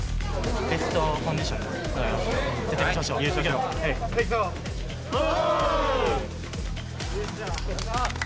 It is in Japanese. ベストコンディションでおお！